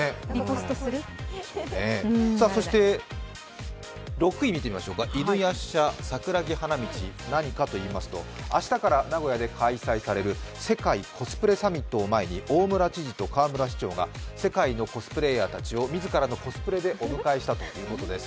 そして６位見てみましょうか犬夜叉＆桜木花道何かといいますと、明日から名古屋で開催される世界コスプレサミットを前に大村知事と河村市長が世界のコスプレーヤーたちを自らのコスプレでお迎えしたということです。